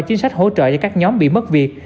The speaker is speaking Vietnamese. chính sách hỗ trợ cho các nhóm bị mất việc